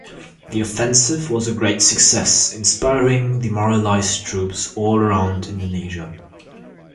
The offensive was a great success, inspiring demoralized troops all around Indonesia.